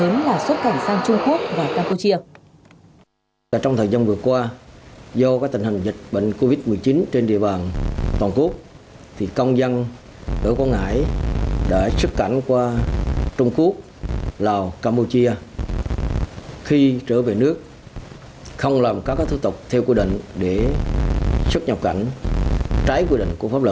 một phần lớn là xuất cảnh sang trung quốc và campuchia